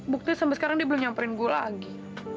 buktinya sampai sekarang dia belum nyamperin gue lagi